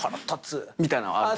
みたいなの。